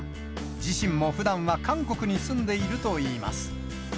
自身もふだんは韓国に住んでいるといいます。